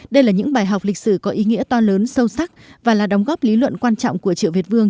đây là những bài học lịch sử có ý nghĩa to lớn sâu sắc và là đóng góp lý luận quan trọng của triệu việt vương